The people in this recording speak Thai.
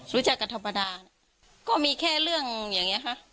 รู้จักกันธรรมดาก็มีแค่เรื่องอย่างนี้ค่ะ